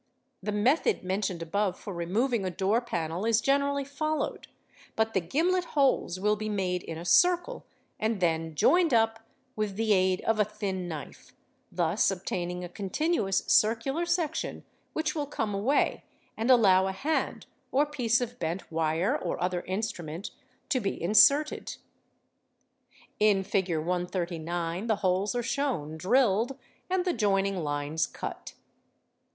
The method mentioned above for removing a door panel is generally followed, but the gimlet holes will be made | 'in a circle and then joined up with the aid of a thin knife, thus obtaining a continuous circular section which | will come away and allow a hand or piece of bent wire ' or other instrument to be inserted. In Fig. 139 ' the holes are shown drilled and the joining lines cut.